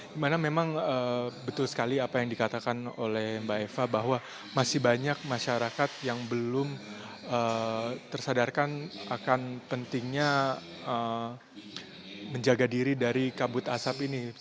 dimana memang betul sekali apa yang dikatakan oleh mbak eva bahwa masih banyak masyarakat yang belum tersadarkan akan pentingnya menjaga diri dari kabut asap ini